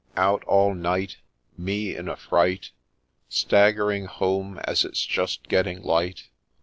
— Out all night ! Me in a fright ; Staggering home as it 's just getting light